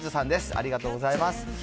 ありがとうございます。